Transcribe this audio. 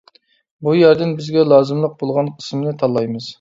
بۇ يەردىن بىزگە لازىملىق بولغان قىسمىنى تاللايمىز.